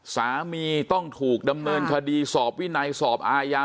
สามีต้องถูกดำเนินคดีสอบวินัยสอบอาญา